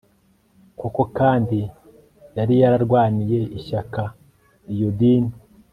koko kandi yari yararwaniye ishyaka iyo dini